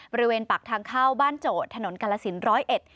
บริเวณปักทางเข้าบ้านโจทย์ถนนกาลาศิลป์๑๐๑